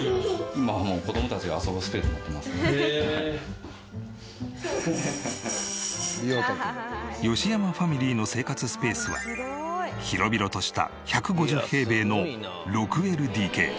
今はもう吉山ファミリーの生活スペースは広々とした１５０平米の６ＬＤＫ。